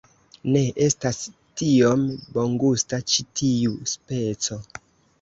Ne estas tiom bongusta ĉi tiu speco